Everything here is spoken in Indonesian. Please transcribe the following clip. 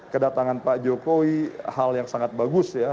kedatangan pak jokowi hal yang sangat bagus ya